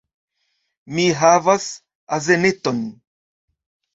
Mi havas azeneton